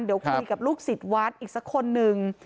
เดี๋ยวคุยกับลูกศิษย์วัดอีกสักคนหนึ่ง